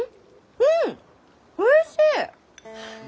うんおいしい！